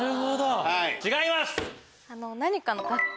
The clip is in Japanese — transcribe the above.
違います！